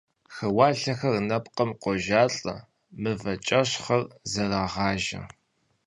Хыуалъэхэр нэпкъым къожалӀэ, мывэкӀэщхъыр зэрагъажэ.